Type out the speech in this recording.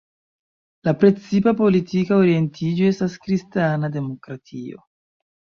La precipa politika orientiĝo estas kristana demokratio.